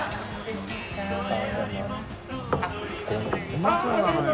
うまそうなのよ